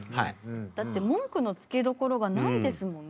だって文句のつけどころがないですもんね